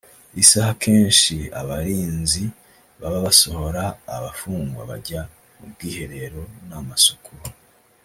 isaha kenshi abarinzi baba basohora abafungwa bajya mu bwiherero n’amasuku